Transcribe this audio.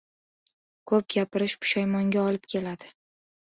• Ko‘p gapirish pushaymonga olib keladi.